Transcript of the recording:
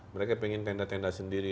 mereka ingin tenda tenda sendiri